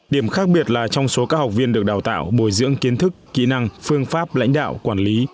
điểm khác biệt là trong số các học viên được đào tạo bồi dưỡng kiến thức kỹ năng phương pháp lãnh đạo quản lý